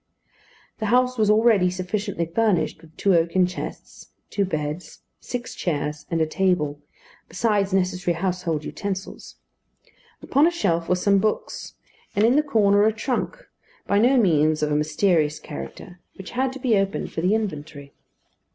The house was already sufficiently furnished with two oaken chests, two beds, six chairs and a table, besides necessary household utensils. Upon a shelf were some books, and in the corner a trunk, by no means of a mysterious character, which had to be opened for the inventory.